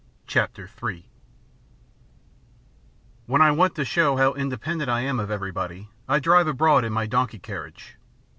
CHAPTER III When I want to shew how independent I am of everybody, I drive abroad in my donkey carriage.